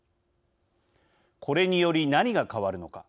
これにより何が変わるのか。